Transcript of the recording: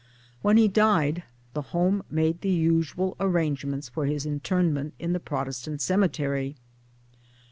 When he died the Home made the usual arrange ments for his interment in the Protestant Cemetery.